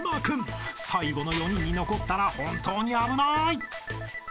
［最後の４人に残ったら本当に危ない］